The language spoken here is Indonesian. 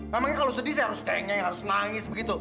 memangnya kalau sedih saya harus cengeng harus nangis begitu